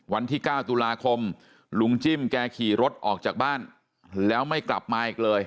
วันที่๙ตุลาคมลุงจิ้มแกขี่รถออกจากบ้านแล้วไม่กลับมาอีกเลย